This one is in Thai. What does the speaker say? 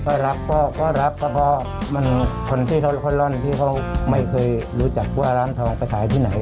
ก็รับก็รับก็เพราะมันคนที่ร่อนที่เขาไม่เคยรู้จักว่าร้านทองไปขายที่ไหน